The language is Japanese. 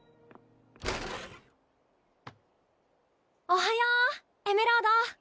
おはようエメロード。